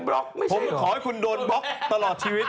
ผมขอให้คุณโดนบล็อกตลอดชีวิต